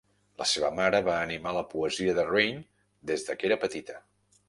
La seva mare va animar la poesia de Raine des que era petita.